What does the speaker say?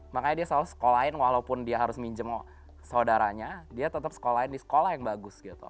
makanya dia selalu sekolahin walaupun dia harus minjem saudaranya dia tetap sekolahin di sekolah yang bagus gitu